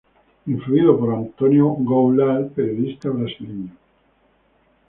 Influido por Antônio Goulart, periodista brasileño.